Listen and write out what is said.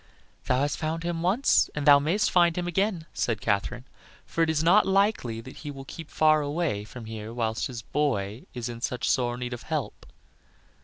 "Thou has found him once and thou mayst find him again," said Katherine, "for it is not likely that he will keep far away from here whilst his boy is in such sore need of help."